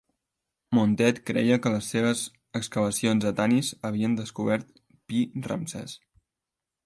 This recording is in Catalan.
Montet creia que les seves excavacions a Tanis havien descobert Pi-Ramsès.